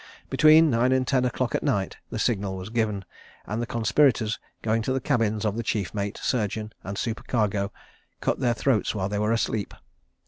Between nine and ten o'clock at night, the signal was given, and the conspirators going to the cabins of the chief mate, surgeon, and supercargo, cut their throats while they were asleep.